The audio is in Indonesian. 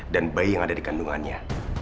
dan bayi yang ada di kandungannya